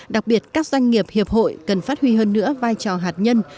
đặc biệt các doanh nghiệp hiệp hội cần phát huy hơn nữa vai trò hạt nhân